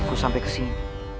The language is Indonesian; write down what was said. aku sampai ke sini